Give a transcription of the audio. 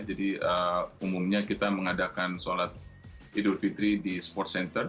jadi umumnya kita mengadakan sholat yudhru fitri di sports center